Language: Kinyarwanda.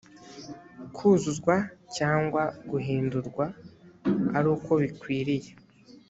kuzuzwa cyangwa guhindurwa ari uko bikwiriye